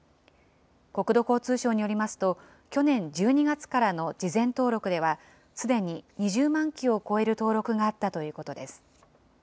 国土交通省によりますと、去年１２月からの事前登録では、すでに２０万機を超える登録があったということです。